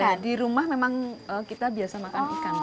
iya di rumah memang kita biasa makan ikan